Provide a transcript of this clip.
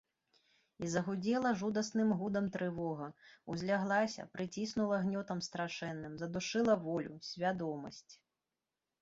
І загудзела жудасным гудам трывога, узляглася, прыціснула гнётам страшэнным, задушыла волю, свядомасць.